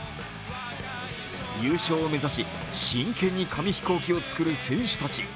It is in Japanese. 優勝を目指し真剣に紙飛行機を作る選手たち。